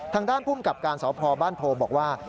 ทางด้านภูมิกับการสพบ้านโพบอกว่า